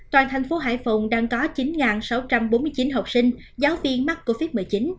toàn thành phố hải phòng đang có chín sáu trăm bốn mươi chín học sinh giáo viên mắc covid một mươi chín